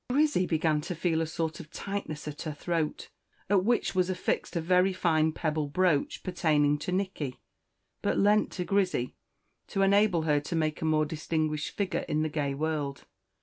Grizzy began to feel a sort of tightness at her throat, at which was affixed a very fine pebble brooch pertaining to Nicky, but lent to Grizzy, to enable her to make a more distinguished figure in the gay world.